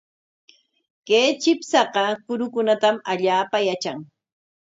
Kay chipshaqa kurukunatam allaapa yatran.